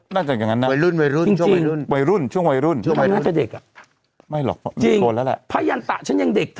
น่าจะอย่างงั้นนะวัยรุ่นช่วงวัยรุ่นไม่หรอกพระยันตะฉันยังเด็กเธอ